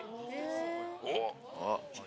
おっ！